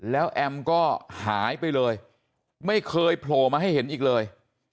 แล้วแอมก็หายไปเลยไม่เคยโผล่มาให้เห็นอีกเลย